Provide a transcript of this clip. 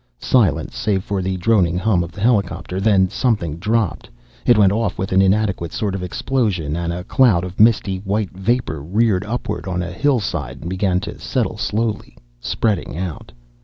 Silence, save for the droning hum of the helicopter. Then something dropped. It went off with an inadequate sort of an explosion and a cloud of misty white vapor reared upward on a hillside and began to settle slowly, spreading out....